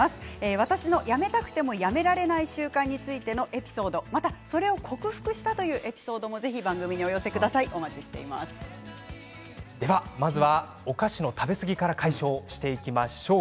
私のやめたくてもやめられない習慣についてのエピソードまたそれを克服したというエピソードもぜひ番組にまずはお菓子の食べ過ぎから解消していきましょう。